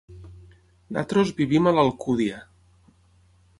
Nosaltres vivim a l'Alcúdia.